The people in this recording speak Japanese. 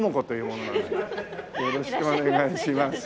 よろしくお願いします。